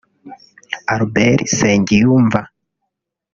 Albert Nsengiyumva